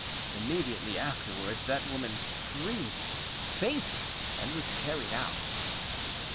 Immediately afterwards that woman screamed, fainted, and was carried out.